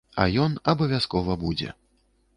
А ён абавязкова будзе.